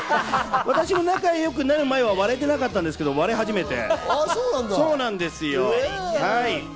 私と仲良くなる前は割れてなかったんですけど、割れ始めて。